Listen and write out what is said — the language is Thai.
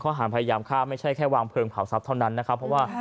ข้อหาพยายามค่ะไม่ใช่แค่วางเพลิงเผ่าทรัพย์เท่านั้นเพราะว่า